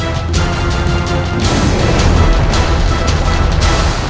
aku akan menerbang